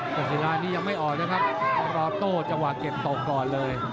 ศิลานี้ยังไม่ออกนะครับรอโต้จังหวะเก็บตกก่อนเลย